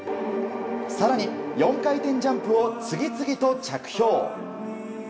更に４回転ジャンプを次々と着氷。